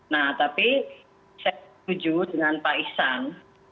nah tapi saya setuju dengan pak isan